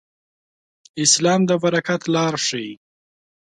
اسلام د برکت لار ښيي.